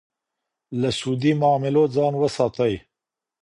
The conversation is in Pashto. له سودي معاملو ځان وساتئ.